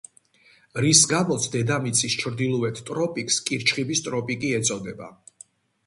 რის გამოც დედამიწის ჩრდილოეთ ტროპიკს კირჩხიბის ტროპიკი ეწოდება.